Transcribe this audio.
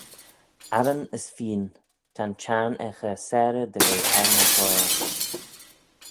Arran as feeyn, ta'n çhiarn er chur sarey dy ve er ny ghoaill.